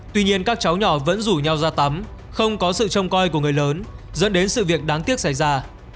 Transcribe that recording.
tuy nhiên các cháu nhỏ vẫn rủ nhau ra tắm không có sự trông coi của người lớn dẫn đến sự việc đáng tiếc xảy ra